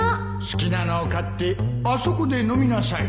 好きなのを買ってあそこで飲みなさい